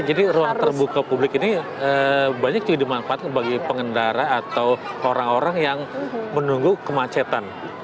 jadi ruang terbuka publik ini banyak juga dimanfaatkan bagi pengendara atau orang orang yang menunggu kemacetan